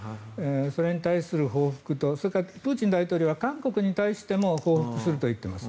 それに対する報復とそれからプーチン大統領は韓国に対しても報復すると言ってます。